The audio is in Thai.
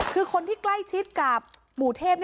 คือคนที่ใกล้ชิดกับหมู่เทพ